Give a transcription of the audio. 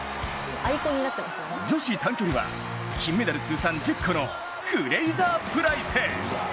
女子短距離は金メダル通算１０個のフレイザープライス。